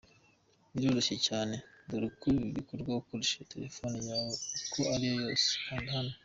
Biroroshye cyane, dore uko bikorwa ukoresheje telefone yawe iyo ari yo yose: kanda.